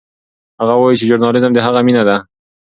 هغه وایي چې ژورنالیزم د هغه مینه ده.